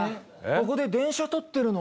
ここで電車撮ってるの。